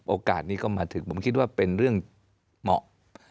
โอกาสนี้ก็มาถึงผมคิดว่าเป็นเรื่องเหมาะ